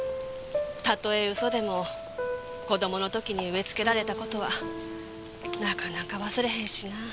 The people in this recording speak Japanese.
たとえ嘘でも子供の時に植えつけられた事はなかなか忘れへんしな。